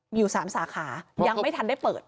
มีอยู่๓สาขายังไม่ทันได้เปิด